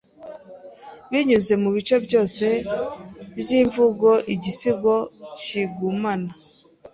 binyuze mu bice byose byimvugo Igisigo kigumana